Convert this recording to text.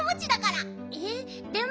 えっでも。